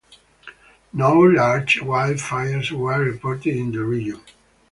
No large wildfires were reported in the region.